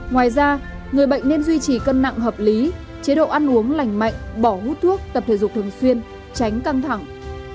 ngoài ra người bệnh nên duy trì cân nặng hợp lý chế độ ăn uống lành mạnh bỏ hút thuốc tập thể dục thường xuyên tránh căng thẳng